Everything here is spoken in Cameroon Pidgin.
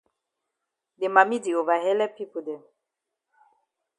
De mami di ova helep pipo dem.